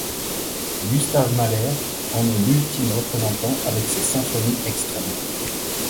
Gustav Mahler en est l'ultime représentant avec ses symphonies extrêmes.